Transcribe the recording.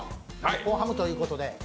日本ハムということで。